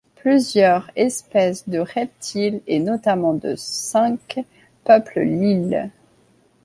Plusieurs espèces de reptiles, et notamment de scinques peuplent l'île.